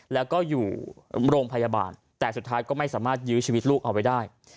แล้วก็อยู่โรงพยาบาลแต่สุดท้ายก็ไม่สามารถยื้อชีวิตลูกเอาไว้ได้